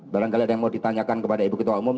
barangkali ada yang mau ditanyakan kepada ibu ketua umum